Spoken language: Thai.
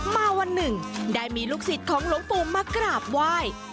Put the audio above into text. มาวันหนึ่งได้มีลูกศิษย์ของหลวงปู่มากราบไหว้